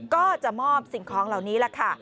ก็จะมอบสิ่งของเหล่านี้แหละค่ะ